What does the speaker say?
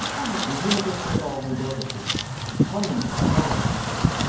イジメとストーカーは本当だとしても犯人かは分からないだろ。